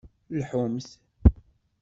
Lḥumt.